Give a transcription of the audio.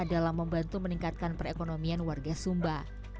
dalam membantu meningkatkan perekonomian warga sumba